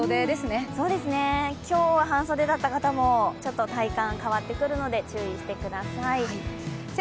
今日は半袖だった方もちょっと体感変わってくるので注意してください。